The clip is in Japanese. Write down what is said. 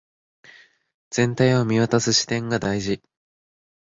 全体を見渡す視点が大事